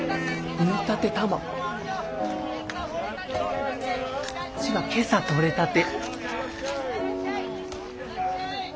こっちが今朝取れたて。